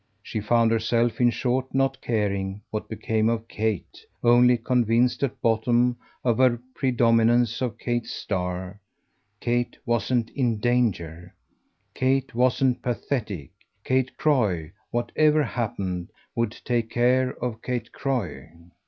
She found herself in short not caring what became of Kate only convinced at bottom of the predominance of Kate's star. Kate wasn't in danger. Kate wasn't pathetic; Kate Croy, whatever happened, would take care of Kate Croy.